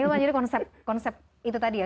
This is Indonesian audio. oke jadi konsep itu tadi ya